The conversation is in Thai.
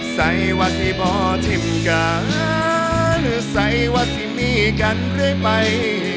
ใส่ว่าที่บ่อทิมการใส่ว่าที่มีกันเรื่อยไป